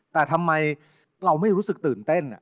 แต่ทำไมเราไม่รู้สึกตื่นเต้น